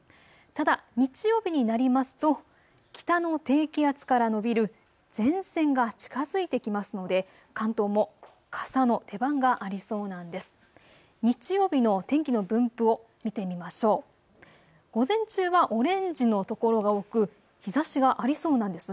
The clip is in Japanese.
ただ日曜日になりますと北の低気圧から延びる前線が近づいてきますので関東も傘の出番がありそうなんです。